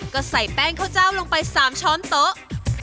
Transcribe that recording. ก็ใส่แป้งข้าวเจ้าลงไป๓ช้อนโต๊ะ